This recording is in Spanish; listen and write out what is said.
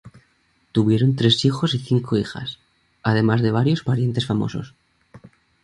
Tuvieron tres hijos y cinco hijas, además de varios parientes famosos.